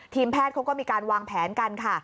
แพทย์เขาก็มีการวางแผนกันค่ะ